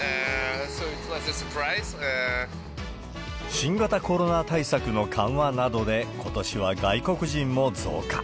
新型コロナ対策の緩和などで、ことしは外国人も増加。